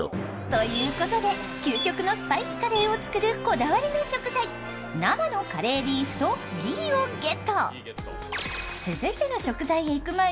ということで究極のスパイスカレーを作るこだわりの食材、生のカレーリーフとギーをゲット。